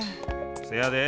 せやで！